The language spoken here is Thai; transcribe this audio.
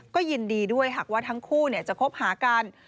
ก็ยินดีด้วยหากว่าทั้งคู่จะคบหากัน